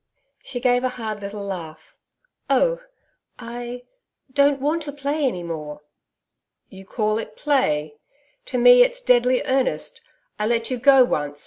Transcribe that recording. She gave a hard little laugh. 'Oh! I don't want to play any more.' 'You call it play! To me it's deadly earnest. I let you go once.